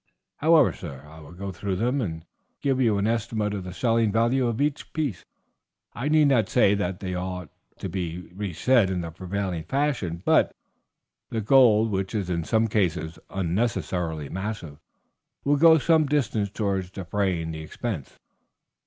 However, sir, I will go through them and give you an estimate of the selling value of each piece. I need not say that they ought all to be reset in the prevailing fashion; but the gold, which is in some cases unnecessarily massive, will go some distance towards defraying the expense."